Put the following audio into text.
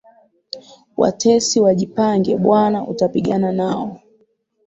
Watesi wajipange, bwana utapigana nao.